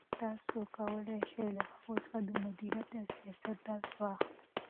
تاسو کولای شئ چې له هغوی څخه د مدیریت او سیاست درس واخلئ.